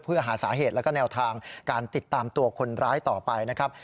เพื่อหาสาเหตุแล้วก็แนวทางการติดตามตัวคนร้ายต่อไปนะครับ